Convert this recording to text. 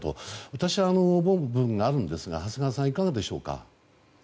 私は思う部分があるんですが長谷川さん、いかがでしょうか。